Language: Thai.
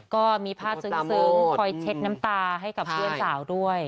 ก็มีภาพซึ้งคอยเช็ดน้ำตาให้กับเพื่อนสาวด้วย